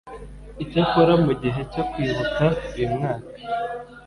Icyakora mu gihe cyo kwibuka uyu mwaka